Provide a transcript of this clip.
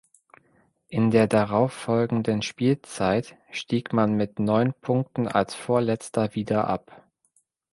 In der darauffolgenden Spielzeit stieg man mit neun Punkten als Vorletzter wieder ab.